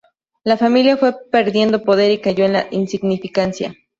La familia fue perdiendo poder y cayó en la insignificancia.